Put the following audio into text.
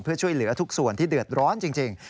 เพื่อช่วยเหลือทุกส่วนที่เดือดร้อนจริง